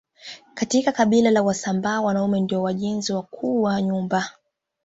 Katika kabila la wasambaa wanaume ndio wajenzi wakuu wa nyumba